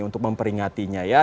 untuk memperingatinya ya